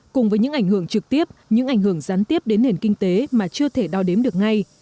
cùng với những ảnh hưởng trực tiếp những ảnh hưởng gián tiếp đến nền kinh tế mà chưa thể đo đếm được ngay